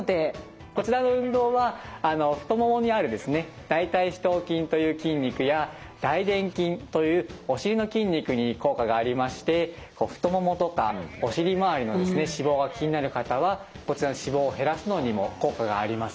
こちらの運動は太ももにある大腿四頭筋という筋肉や大臀筋というお尻の筋肉に効果がありまして太ももとかお尻周りの脂肪が気になる方はこちらの脂肪を減らすのにも効果があります。